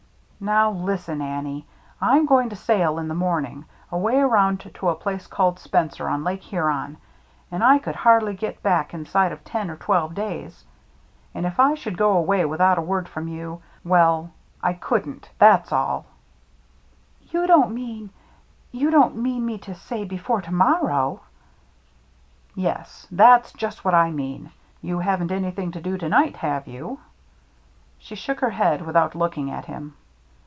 " Now listen, Annie : I'm going to sail in the morning, away around to a place called Spencer, on Lake Huron ; and I could hardly get back inside of ten or twelve days. And if I should go away without a word from you — well, I couldn't, that's all." 76 THE MERRT ANNE " You don't mean — you don't want me to say before to morrow ?"" Yes, that's just what I mean. You haven't anything to do to night, have you ?" She shook her head without looking at him.